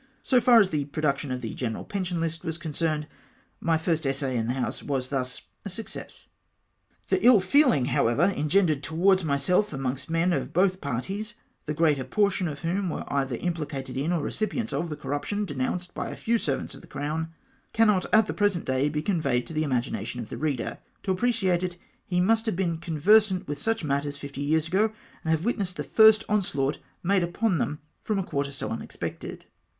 So far as the production of the general pension hst was concerned, my first essay in the House was thus a success. The ill feehng, however, engendered towards myself amongst men of both parties, the greater portion of whom were either imphcated in, or recipients of, the corruption denounced by a few servants of the crown, VOL. I. Q 226 NAVAL ABUSES. cannot at the present day be conveyed to the hnagination of the reader. To appreciate it he must have been conversant with such matters fifty years ago, and have witnessed the first onslaught made upon them from a quarter so unexpected.